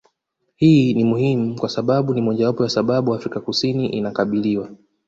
Hii ni muhimu kwa sababu ni mojawapo ya sababu Afrika kusini inakabiliwa